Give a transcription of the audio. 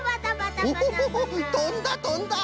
オホホホッとんだとんだ！